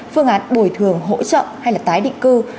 phương án bồi thường hỗ trợ hay là tái định cư